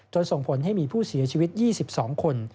ส่งผลให้มีผู้เสียชีวิต๒๒คน